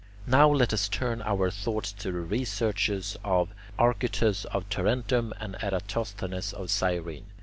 Now let us turn our thoughts to the researches of Archytas of Tarentum and Eratosthenes of Cyrene.